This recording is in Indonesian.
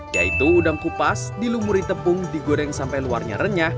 yaitu udang kupas dilumuri tepung digoreng sampai luarnya renyah